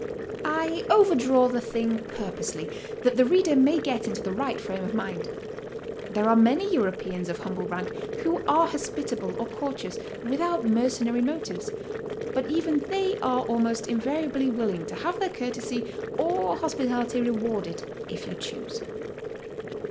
I overdraw the thing purposely, that the reader may get into the right frame of mind. There are many Europeans of humble rank who are hospitable or courteous without mercenary motives, but even they are almost invariably will ing to have their courtesy or hospitality rewarded if you choose.